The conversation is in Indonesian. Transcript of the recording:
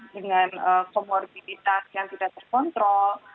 dengan komorbiditas yang tidak terkontrol